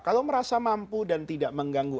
kalau merasa mampu dan tidak mengganggu